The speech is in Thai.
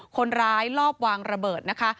คนร้ายลอบวางระเบิดนะคะ